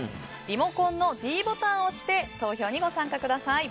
リモコンのｄボタンを押して投票にご参加ください。